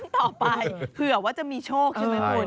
จะรดน้ำต่อไปเผื่อว่าจะมีโชคใช่ไหมคน